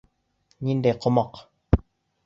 — Ниндәй ҡомаҡ?..